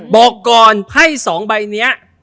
บอกก่อนไพ่๒ใบนี้